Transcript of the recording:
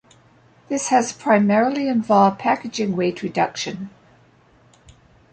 This has primarily involved packaging weight reduction.